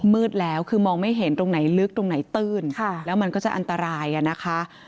มืดแล้วคือมองไม่เห็นตรงไหนลึกตรงไหนตื้นแล้วมันก็จะอันตรายอ่ะนะคะ